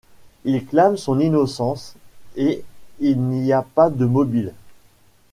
Il clame son innocence et il n'y a pas de mobile.